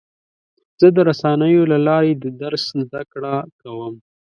زه د رسنیو له لارې د درس زده کړه کوم.